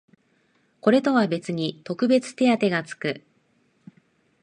これとは別に特別手当てがつく